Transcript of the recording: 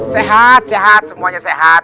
sehat sehat semuanya sehat